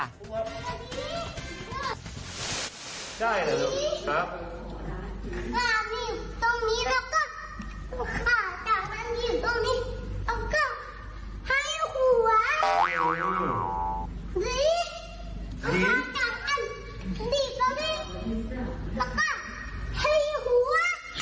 แต่นี่ก็แปลงที่หรอ